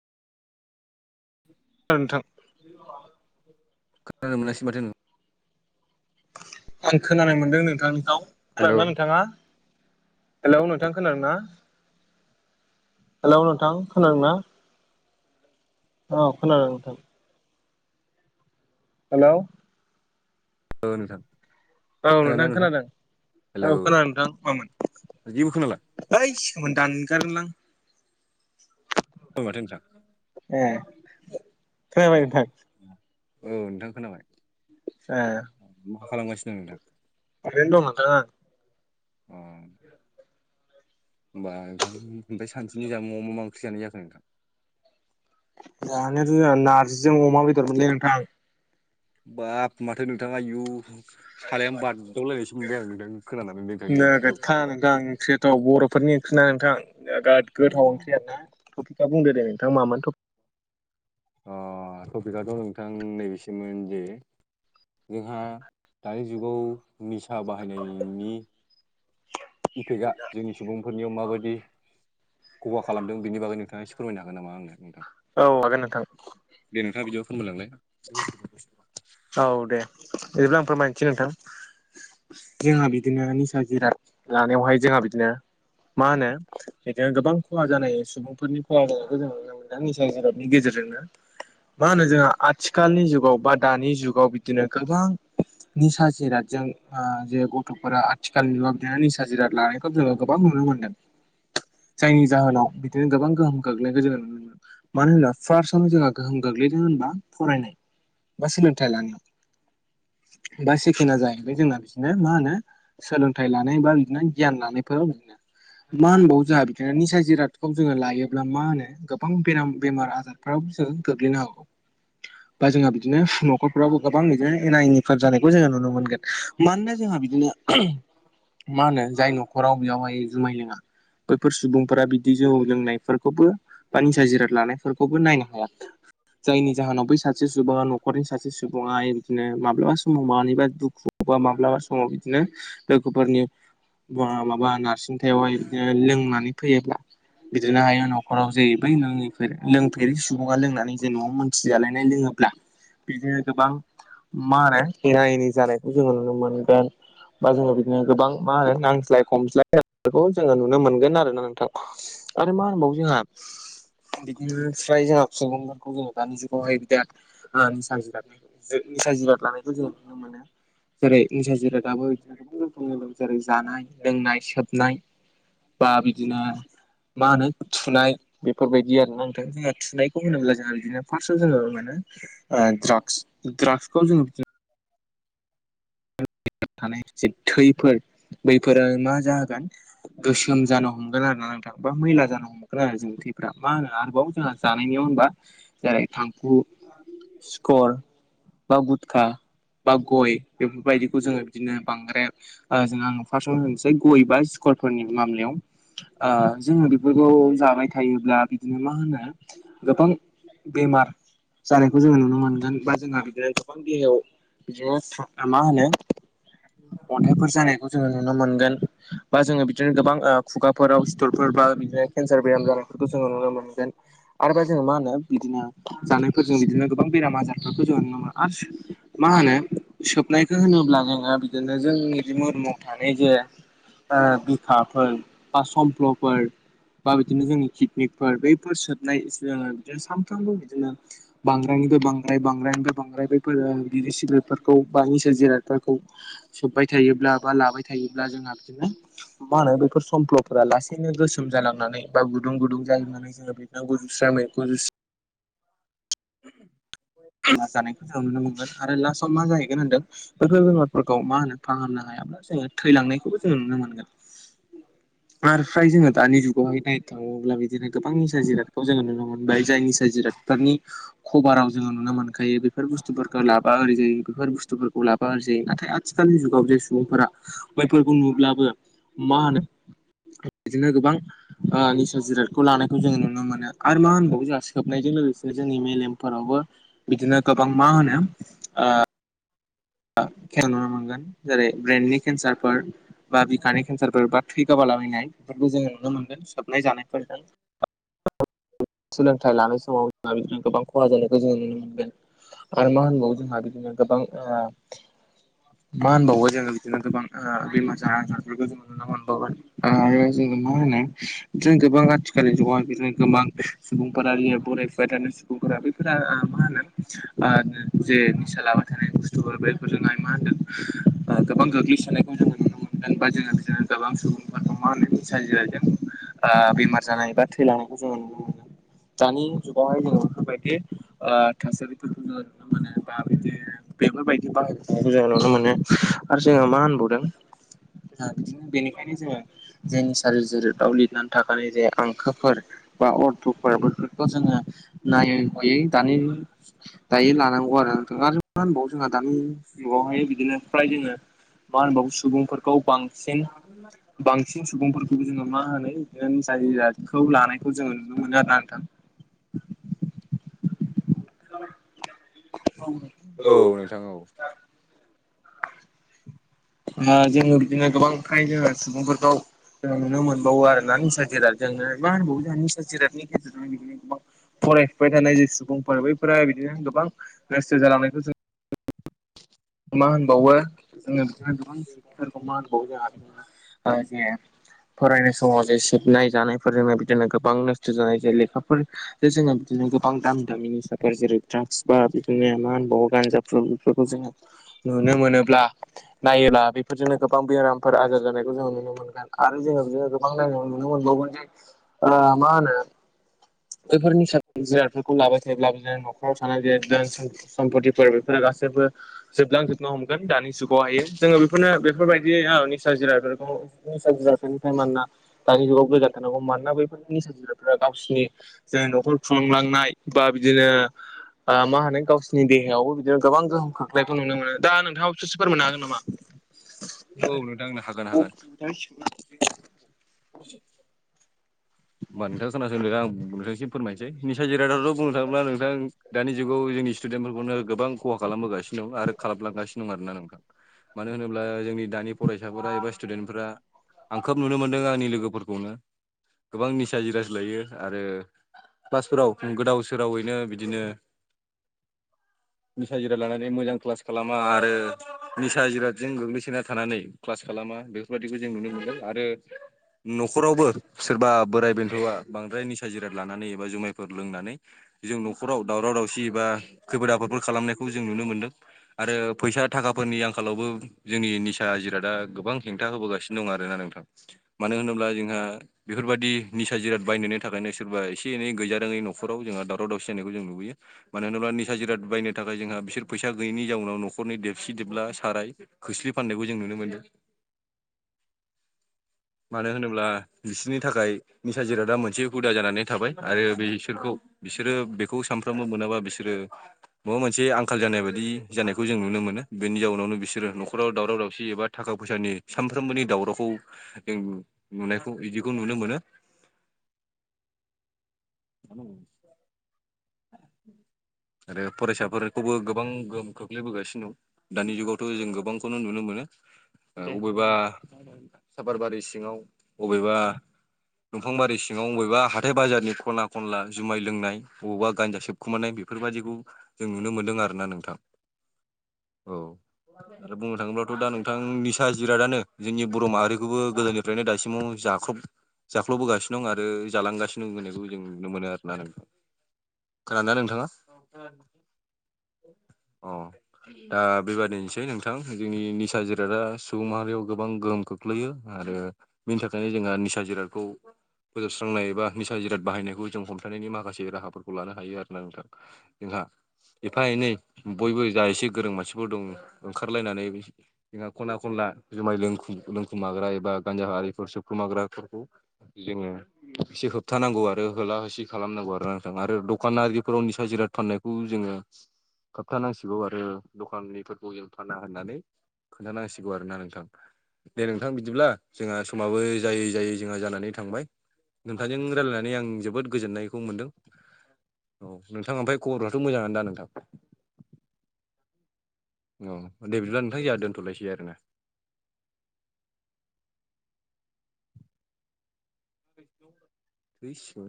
नोंथां खोनथानो मोनासै माथो नों आं खोनानाय मोनदों नोंथांनिखौ हेलौ खोनादोंना नोंथाङा? हेलौ नोंथां खोनादों ना? हेलौ नोंथां खोनादों ना औ खोनादों नोंथां। हेलौ। औ नोंथां। औ नोंथां खोनादों औ। हेलौ खोनादों नोंथां मामोन। जेबो खोनाला [unintelligible] [unintelligible] ए खोनाबाय नोंथां? औ नोंथां खोनाबाय। ए मा खालामगासिनो दं नोंथां? ओरैनो दं नोंथां आं अ होमबा नोंथां ओमफ्राय सानसेनि जा ज मा मा ओंख्रि जाखो नोंथां? जानो जोङा नारजिजों अमा बेदर मोनलै नोंथां। बाब माथो नोंथाङा इयु सालायानो बार दावलायनायसो मोनबाय आं नोंथां खोनानानै दे नोंथां ओंथिखौ। [unintelligible] गोथाव बर'फोरनि ओंख्रिना नोंथां दराद गोथाव ओंख्रिय आर ना टपिकआ बुंदो दे नोंथाङा मानो टपिक टपिकआथ' नोंथां नैबेसिमोन जे जोंहा दानि जुगाव निसा बाहायनायनि इफेकआ जोंनि सुबुंफोरनियाव माबायदि खहा खालामदों बेनि बागै नोंथाङा एसे फोरमायनो हागोन नामा नोंथाङा आंनो? औ हागोन नोंथां। दे नोंथाङा बिदियाव फोरमायलांलाय। औ दे बिदिब्ला आं फोरमायसै नोंथां। जोंहा बिदिनो निसा जिराद लानायावहाय जोंहा बिदिनो। मा होनो बिदिनो गोबां खहा जानाय सुबुंफोरनि खहा जानायखौ जों नुनो मोनो। निसा जिराबनि गेजेरजोंनो मा होनो जोंहा आथिखालनि जुगाव बा दानि। जुगाव बिदिनो गोबां। निसा जिरादजों जे गथ'फोरा आथिखालनि नुवा बिदि निसा जिराद लानायखौ जोङो गोबां नुनो मोन्दों। [inaudible] जायनि जाहोनाव बिदिनो गोबां गोहोम खौ गोग्लैनायखौ जोङो नुनो मोन मानो होना फार्स्टआवनो जोंहा गोहोम गो गोग्लैदों होनबा फरायनाय बा सोलोंथाइ लानायाव बा सेकेणडा जाहैबाय जोंना बिदिनो मा होनो सोलोंथाइ लानाय बा बिदिनो गियान लानाय। बिनो मा होनबावो जोंहा बिदिनो निसा जिरादखौ जोङो लायोब्ला मा होनो। गोबां बेराम बेमार आजारफोराव जोंङो गोग्लैनो हागौ बा जोंहा बिदिनो न'खर बो गोबां बिदिनो एना एनिफोर जानायखौ जोङो नुनो मोनगोन मानोना जोंहा बिदिनो मा होनो जाय न'खराव बेयावहाय जुमाय लोङा बैफोर सुबुंफोरा बिदि जौ लोंनायफोरखौबो बा निसा जिराद लानायफोरखौबो नायनो हाया। जायनि जाहोनाव बै सासे सुबा न'खरनि सासे सुबुा बिदिनो माब्लाबा समाव मानिबा दुखु बा माब्लाबा सम समाव बिदिनो लोगोफोरनि माबा नारसिनथायावहाय बिदिनो लोंनानै फैयोब्ला बिदिनो हायो न'खराव जै बै लोङैफोरेर लोंफेरि सुबुङा लोंनानै जे न'आव मोनथिजालायनाय लोङोब्ला। बिदिनो गोबां मा होनो एनि जानायखौ जोङो नुनो मोनगोन। बा जोङो बिदिनो गोबां मा होनो नांज्लाय खमज्लायफोरखौ जोङो नुनो मोनगोन आरोना नोंथां। आरो मा होनबावो जोंहा बिदिनो फ्राय जोंहा सुबुंफोरखौ जोङो दानि जुगावहाय बिदि मानि साजिनाय सा जिराद लानायखौ जों नुनो मोनो जेरैसा जिरादाबबो बिदिनो गोबां रो जेरै ज जानाय लोंनाय सोबनाय बा बिदिनो मा होनो। थुनाय बेफोरबायदि आरो नांथों जोंहा थुनायखौ होनोब्ला जोंहा बिदिनो फार्स्टआव जोङो मोनो। द्राग्स दड्राग्सखौ जों थानाय थैफोर बैफोर मा जागोन गोसोम जानो हमो। हगोन आरोना [unintelligible] मैला जानो हमगोन आरो जों थैफ्रा मा होनो आरोबाव जोंहा जानायनियाव होनबा जेरै थांखु औ। सिखर बा गुटखा बा गय बेबायदिखौ जोङो बिदिनो बांद्राय जों आं फार्स्टआवनो होनोसै गय ए बा सिकरफोरनि मामलायाव जोङो बेफोरखौ जाबाय थायोब्ला बिदिनो मा होनो गोबां बेमार जानायखौ जोङो नुनो मोनगोन बा जोंहा बिदिनो गोबां देहायाव बिदिनो मा होनो अन्थाइफोर जानायखौ जोङो नुनो मोनगोन बा जोङो बिदिनो गोबां खुगाफोराव सिटरफोरबा बिदिनो केन्सार बेराम जादों जोङो नुनो मोनगोन आरोबा जो मा होनो बिदिनो जानाय फोरजों बिदिनो गोबां बेराम आजारफोरखौ जों नुनो मोनो आरो मा होनो सोबनायखौ होनोब्ला नोङो बिदिनो जोंनि ममाव थानाय जे बिखाफोर बा समफ्ल'फोर बा बिदिनो जोंनि किडनिकफोर बैफोर सोबनाय जोङो बिदिनो सानफ्रामबो बिदिनो। बांद्रायनिबो बांद्राय बांद्रायानिफ्राय बांद्राय बेफोर गिदिर सिबिफोर बा निसोर जिरादफोरखौ सोब्बाय थायोब्ला बा लाबाय थायोब्ला जोंहा बिदिनो मा होनो बेफोर समफ्ल'फोरा लासैनो गोसोम जालांनानै बा गुदुं गुदुं जायोनानै। जों बिसा जुस्रा मखौ जुस [unintelligible] बेार जानायखौ जों नुनो मोनगोन आरो लास्टआव मा जाहैगोन होनदों बेफोर बेमारफोरखौ मा होनो फाहामनो हाया। जो थैलांनायखौबो जों नुनो मोनगोन आरो फ्राय जोङो दानि जुगावहाय नायनो थाङोब्ला बिदिनो गोबां निसा जिरादखौ जोङो नुनो मोनबाय जाय निसा जिराद बिनि खबराव जोङो नुनो मोनखायो बेफोर बुस्थुफोरखौ लाबा ओरै जायो बेफोर बुस्थुफोरखौ लाबा ओर जायो ना आथिखालनि जुगाव जे सुबुंफोरा बैफोरखौ नुब्लाबो मा होनो बिदिनो गोबां निसा जिरादखौ लानायखौ जोङो नुनो मोनो आरो मा होनबावो जोंहा सोब नायजों लोगोसे जोंनि मेलेमफोरावबो बिदिनो गोबां मा होनो खेल नुनो मोनगोन जेरै ब्रइेननि केन्सारफोर बा बि केन्सारफोर बा थै गावाबालाबायनाय बेफोरखौ जोङो नुनो मोनदों सोबनाय जानायफोरजों सोलोंथाइ लानाय समाव जों बिदिनो गोबां खहा जानायखौ जोङो नुनो मोनगोन आरो मा होनबावो जोंहा बिदिनो गोबां [inaudible] मा होनबावो जोंङ बिदिनो गोबां बिमार [unintelligible] आरो जोङो मा होनो जों गोबां आथिखालनि जुगाव बिदिनो गोबां सुबुंफोराारि बरायफुबाय थानाय सुबुंफोरा बैफोरा मा होनो जे निसा लाबाय थानाय बुस्थुफोरबो जोंहाय मा होनदों गोबां गोग्लैसोनायखौ जोङो नुनो मोनो मबा जोङो बिनो गोबां सुबुंफोरखौ मनायनि साजिर जों बेमार जानाय बा थैलांनायखौ जोङो नुनो मोनो दानि जुगावहाय जोङो बेफोरबायदि थासारिफोरखौनो माने बा बिदि बेफोरबादि बाहायखौ जों नुनो मोनो आरो जोंङो मा होनबावदों जाहा बिदिनो बेनिखायनो जोङो जे निसारि जिरोदाव लिरनानै थाखानाय जे हांखोफोर बा अरथफोर बेफोरखौ जोङो नायै हयै दानि दायो लानांगौ आरोना नोंथां आरो मा होनबावो जोंहा दानि जुगावहाय बिदिनो फ्राय जोङो मा होनबावो सुबुंफोरखौ बां सिन बांसिन सुबुंफोरखौबो जोङो मा होनो बि जायखौ लानायखौ जोङो नुनो मोनो आरोना नोंथां [inaudible] ओ औ नोंथां औ जोङो बिदिनो गोबां फ्राय जोङो सुबुंफोरखौ जोङो नुनो मोनबावो आरोना जिरादजोंनो मा होनबावो जोंहा निसा जिरादनि गेजेरजोंनो गोबां फरायफुबबाय थानाय जे सुबुंफोर बैफोरा बिदिनो गोबां गोस्थ जालांनायखौ जों मा होनबावो जोङो बिनो गोबां सुबुंफोरखौ मा होनबावो जोंहा [unintelligible] जे फरायनाय समाव जे सोबनाय जानायफोरजोंनो बिदिनो गोबां नस्थ जानाय जे लेखाफोर दा जोंहा बिदिनो गोबां दामि दामिनि निसाफोर जेरै ड्राग्स बा बिफोरनो मा होनबावो गानजाफोर बेफोरखौ जोङो नुनो मोनोब्ला नायोब्ला बेफोरजोंनो गोबां बेराम फोर आजार जानायखौ जोङो नुनो मोनगोन आरो जोङो [unintelligible] नुनो मोनबावगोन जे मा होनो बेफोर निसा जिनादफोरखौ लाबाय थायोब्लाबो जों न'खराव थानाय जे सम्पतिफोर बेफोरो गासैबो जोबलांजोबनो हमगोन दानि जुगावहायो जोङो बेफोरनो बेफोरबायदि बे औ निसा जिरा बेफोरखौ निसा जिराफोरनिफ्राय मानना दानि जुगाव गोजान थानांगौ मानोना बैफोरनि निसा जिरादफोरा गावसिनि जों न'खर थुलुंलांनाय बा बिदिनो मा होनो गावसिनि देहायावबो बिदिनो गोबां गोहोम खोख्लैनायखौ नुनो मोनो दा नोंथाङाबो ससे फोरमायनो हागोन नामा [inaudible] औ नोंथां हागोन हागोन [unintelligible] आं नोंथांसिम फोरमायनोस निसा जिरादाथ बुंनो थाङोब्ला नोंथां दानि जुगाव जोंनि स्टुडेन्टफोरखौनो गोबां खहा खालामबोगासिनो दं आरो खालामलांगासिनो दं आरोना नोंथां मानो होनोब्ला जोंनि दानि फरायसाफोरा एबा स्टुदेन्टफोरा आं खोब नुनो मोन्दों आंनि लोगोफोरखौनो गोबां निसा जिराद लायो आरो क्लासफोराव गोदाव सोरावैनो बिदिनो [inaudible] निसा जिराद लानानै मोजां क्लास खालामा आरो निसा जिरादजों गोग्लैसोना थानानै क्लास खालामा बेफोरबायाददिखौ जों नुनो मोनदों आरो न'खरावबो सोरबा बोराइ बेन्थआ बांद्राय निसा जिराद लानानै एबा जुमायफोर लोंनानै जों न'खराव दावराव दावसि बा खैफोद आफोदफोर खालामनायखौ जों नुनो मोनदों आरो फैसा थाखाफोरनि आंखालावबो जोंनि निसा जिरादा गोबां हेंथा होबोगासिनो दं आरोना नोंथां मानो होनोब्ला जोंहा बेफोरबायाददि निसा जिराद बायनायनि थाखायनो सोरबा एसे एनै गैजारोङै नखराव जोंहा दावराव दावसि जानायखौ जों नुबोयो मानो होनोब्ला निसा जिराद बायनो थाखाय जोंहा बिसोरैसा गैयिनि जाउनाव न'खरनि देबसि देबब्ला साराय खोस्लि फान्नायखौ जों नुनो मोनदों [inaudible] मानो होनोब्ला बिसोरनि थाखाय निसा जिरादा मोनसे हुदा जानानै थाबाय आरो बेसोरखौ बिसोरो बेखौ सानफ्रामबो मोनाबा बिसोरो माबा मोनसे आंखाल जानाय बादि जानायखौ जों नुनो मोनो बेनि जाउनावनो बिसोरो न'खराव दावराव दावसि एबा थाखा फैसानि सानफ्रोमबोनि दावरावखौ जों नुनायखौ बिदिखौ नुनो मोनो [unintelligible] ज आरो फरायसाफोरखौबो गोबां गोहोम खोख्लैबोगासिनो दं दानि जुगावथ' जों गोबांखौनो नुनो मोनो अबेबा सापारबारि सिङाव बबेबा दंफां बारि सिङाव बबेबा हाथाय बाजारनि खना खनला जुमाय लोंनाय बबावबा गान्जा सोबखुमानाय बेफोरबायाददिखौ जों नुनो मोनदों आरोना नोंथां औ आरो बुंनो थाङोब्लाथ' दा नोंथांनिसा जिरादानो जोंनि बर' माहारिखौबो गोदोनि ओमफ्रायनो दासिमाव जाख्लब जाख्ल'बोगासिनो दं आरो जालांगासिनो दं होननायखौ जों नुनो मोनो आरोना नोंथां खोनादोंना नोंथाङा अ दा बेबादिनोसै नोंथां जोंनि निसा जिरादा सुबुं माहारियाव गोबां गोहोम खोख्लैयो आरो बिनि थाखायनो जोंहा निसा जिरादखौ फोजोबस्रांनाय एबा निसा जिराद बाहायनायखौ जों हमथानायनि माखासे राहाफोरखौ लानो हायो आरोना नोंथां जोंहा एफा एनै बयबो जा एसे गोरों मानसिफोर दं ओंखारलायनानै जोंहा खना खनला जुमाय लुम लोंखुमाग्रा एबा गान्जा हारिफोर सोबखुमाग्राफोरखौ जोङो एसे होबथानांगौ आरो होला एसे खालामनांगौ आरो नोंथां आरो दखानारिफोराव नि साजिराद फाननायखौ जोङो खोबथानांसिगौ आरो दखाननिफोरखौ जों फानांआ होननानै खोन्थानांसिगौ आरो ना नोंथां दे नोंथां बिदिब्ला जोंहा समाबो जायै जायै जोंहा जानानै थांबाय नुथांजों रायल्लायनानै आं जोबोद गोजोननायखौ मोनदों औ नोंथाङा ओमफ्राय खबरफोराथ' मोजाङानो दा नोंथां औ दे बिदिब्ला नोंथां जोंहा दोनथ'लायसै आरोना बिस